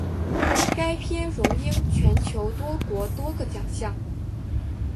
该片荣膺全球多国多个奖项。